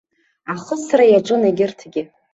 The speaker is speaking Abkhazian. Ахысра иаҿын егьырҭгьы.